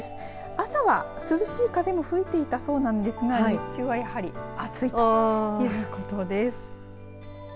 朝は涼しい風も吹いていたそうなんですが日中はやはり暑いということです。